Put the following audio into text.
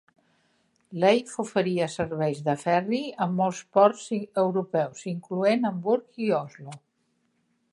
Leith oferia serveis de ferri a molts ports europeus, incloent Hamburg i Oslo.